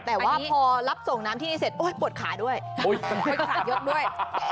แต่ว่าพอรับส่งน้ำที่นี่เสร็จปวดขาด้วยช่วยขายยกด้วย